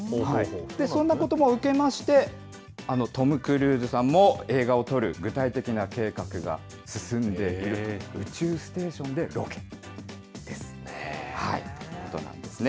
そんなことも受けまして、あのトム・クルーズさんも、映画を撮る具体的な計画が進んでいる、宇宙ステーションでロケです。ということなんですね。